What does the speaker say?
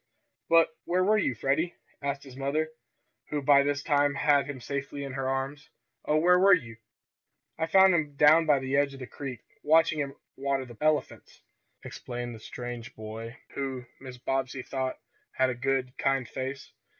"But where were you, Freddie?" asked his mother, who by this time had him safely in her arms. "Oh, where were you?" "I found him down by the edge of the creek, watching 'em water the elephants," explained the strange boy, who, Mrs. Bobbsey thought, had a good, kind face.